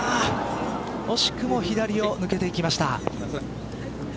惜しくも左を抜けていきました。